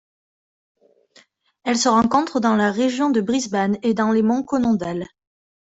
Elle se rencontre dans la région de Brisbane et dans les monts Conondale.